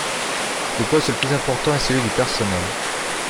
Le poste le plus important est celui du personnel.